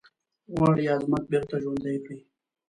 غواړي عظمت بیرته ژوندی کړی.